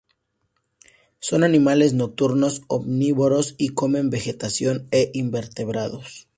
Son animales nocturnos, omnívoros y comen vegetación e invertebrados.